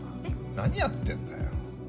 何やってんだよ。